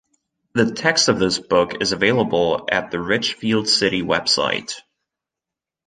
The text of this book is available at the Richfield City Website.